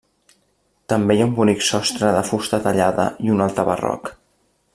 També hi ha un bonic sostre de fusta tallada i un altar barroc.